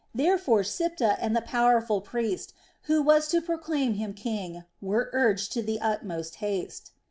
Therefore Siptah and the powerful priest who was to proclaim him king were urged to the utmost haste.